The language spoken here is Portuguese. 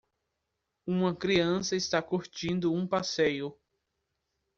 Uma criança está curtindo um passeio.